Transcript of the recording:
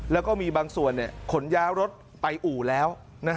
แล้วก็มีบางส่วนขนย้ายรถไปอู่แล้ว